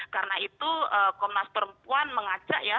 karena itu komnas perempuan mengajak ya